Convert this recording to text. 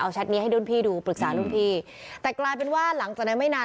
แชทนี้ให้รุ่นพี่ดูปรึกษารุ่นพี่แต่กลายเป็นว่าหลังจากนั้นไม่นาน